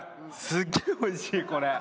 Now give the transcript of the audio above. すっげえおいしいこれ。